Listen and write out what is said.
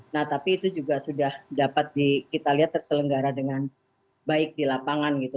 nah tapi itu juga sudah dapat di kita lihat terselenggara dengan baik di lapangan gitu